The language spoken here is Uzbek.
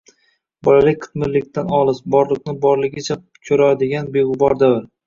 Bolalik qitmirlikdan olis, borliqni borligicha ko‘radigan beg‘ubor davr